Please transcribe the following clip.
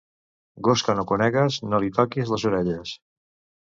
Gos que no conegues, no li toques les orelles.